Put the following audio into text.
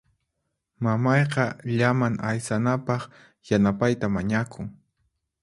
Mamayqa llaman aysanapaq yanapayta mañakun.